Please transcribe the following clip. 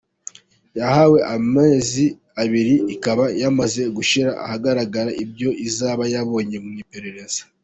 yahawe amezi abiri ikaba yamaze gushyira ahagaragara ibyo izaba yabonye mu iperereza.